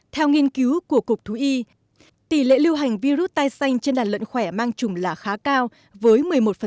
theo nghiên cứu của cục thú y tỷ lệ lưu hành virus tai xanh trên đàn lợn khỏe mang trùng là khá cao với một mươi một